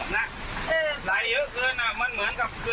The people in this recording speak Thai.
ไหลเยอะเกินอ่ะเหมือนเหมือนกับเกินแตกอ่ะนี่ไว้แล้วล่ะติด